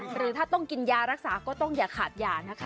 หรือถ้าต้องกินยารักษาก็ต้องอย่าขาดยานะคะ